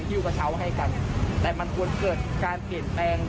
กระเช้าให้กันแต่มันควรเกิดการเปลี่ยนแปลง